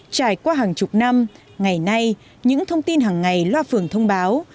trải qua hàng chục năm ngày nay những thông tin hàng ngày loa phường thông báo